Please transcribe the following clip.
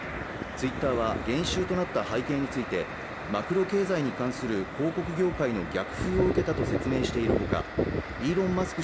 ツイッターは減収となった背景についてマクロ経済に関する広告業界の逆風を受けたと説明しているほかイーロン・マスク